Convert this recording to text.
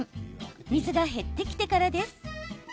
水が減ってきてからです。